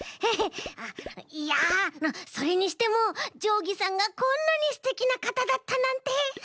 いやそれにしてもじょうぎさんがこんなにステキなかただったなんて。